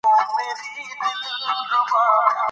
پخوا به يې له اومو شيدو پوڅه جوړوله